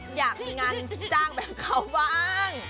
ก็อยากงั้นจ้างแบบเขาบ้าง